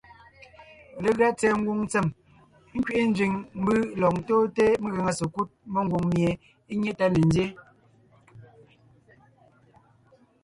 Legʉa tsɛ̀ɛ ngwòŋ ntsèm nkẅiʼi nzẅìŋ mbǔ lɔg ntóonte megàŋa sekúd mengwòŋ mie é nyé tá ne nzyéen;